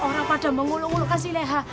orang pada mengulung ulungkan si leha